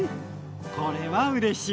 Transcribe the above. これはうれしい。